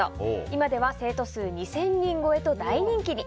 今では生徒数２０００人超えと大人気に。